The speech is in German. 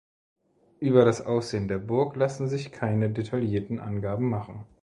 Über das Aussehen der Burg lassen sich keine detaillierten Angaben machen.